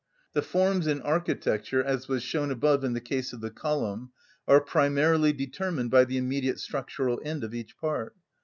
The forms in architecture, as was shown above in the case of the column, are primarily determined by the immediate structural end of each part.